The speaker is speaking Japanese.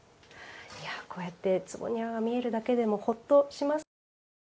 こうやって坪庭が見えるだけでもほっとしますものね。